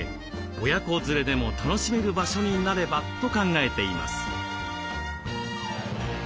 「親子連れでも楽しめる場所になれば」と考えています。